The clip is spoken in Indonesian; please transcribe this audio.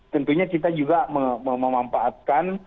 tentunya kita juga memanfaatkan